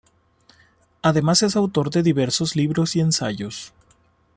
Además es autor de diversos libros y ensayos.